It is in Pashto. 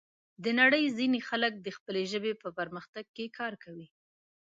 د نړۍ ځینې خلک د خپلې ژبې په پرمختګ کې کار کوي.